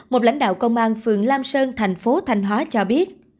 một lãnh đạo công an phường lam sơn thành phố thanh hóa cho biết